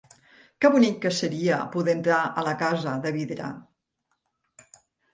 Que bonic que seria poder entrar a la casa de vidre!